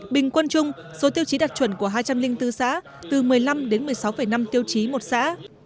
bình quân chung số tiêu chí đạt chuẩn của hai trăm linh bốn xã từ một mươi năm đến một mươi sáu năm tiêu chí một xã